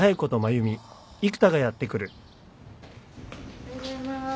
おはようございます。